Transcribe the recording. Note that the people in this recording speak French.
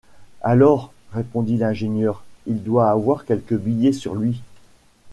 Alors, répondit l’ingénieur, il doit avoir quelque billet sur lui.